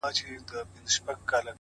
اخلاق د انسان پټ سرمایه ده؛